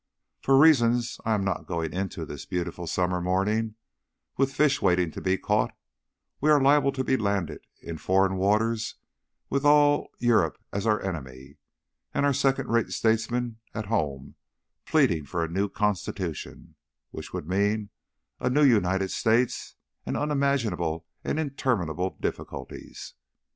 For reasons I am not going into this beautiful summer morning, with fish waiting to be caught, we are liable to be landed in foreign waters with all Europe as our enemy and our second rate statesmen at home pleading for a new Constitution which would mean a new United States and unimaginable and interminable difficulties.